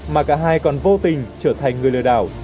mà cả hai còn vô tình trở thành người lừa đảo